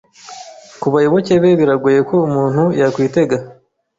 ku bayoboke be biragoye ko umuntu yakwitega